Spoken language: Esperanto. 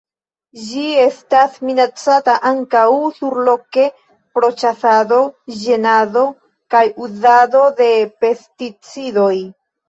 Ĝi estas minacata ankaŭ surloke pro ĉasado, ĝenado kaj uzado de pesticidoj.